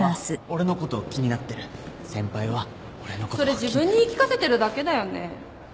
・それ自分に言い聞かせてるだけだよね？